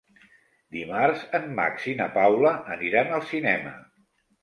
Dimarts en Max i na Paula aniran al cinema.